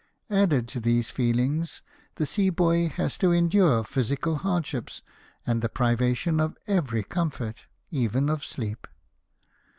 Added to these feeUngs, the sea boy has to endure physical hardships, and the privation of every com fort, even of sleep.